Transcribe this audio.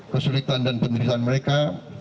kesulitan dan penirisan mereka